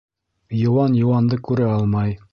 Йыуан йыуанды күрә алмай.